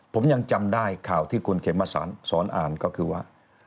ผมยังจำได้ข่าวที่คุณเข็มมาสอนอ่านก็คือว่า